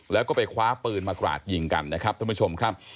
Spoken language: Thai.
แล้วก็ไปคว้าปืนมากราดยิงกันนะครับท่านผู้ชมครับ